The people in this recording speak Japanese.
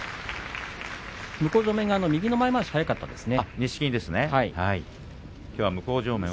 向正面側の右の前まわしが速かったですね。